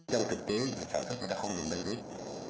trong thực tế sản xuất người ta không dùng benzoic